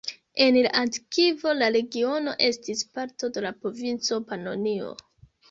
En la antikvo la regiono estis parto de la provinco Panonio.